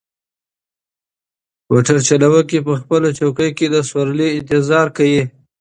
موټر چلونکی په خپله چوکۍ کې د سوارلۍ انتظار کوي.